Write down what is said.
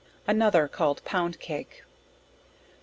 Another (called) Pound Cake.